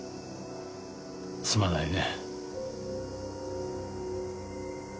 すまないね。